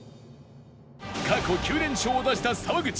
過去９連勝を出した沢口